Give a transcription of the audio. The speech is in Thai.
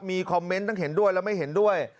มีคอมเมนต์ทั้งเห็นด้วยและไม่เห็นด้วย